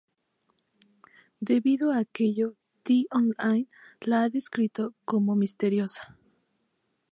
Debido a aquello T-Online la ha descrito como "misteriosa".